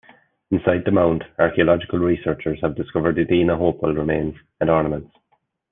Inside the mound, archaeological researchers have discovered Adena Hopewell remains and ornaments.